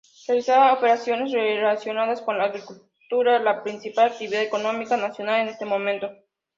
Realizaba operaciones relacionadas con la agricultura, la principal actividad económica nacional en ese momento.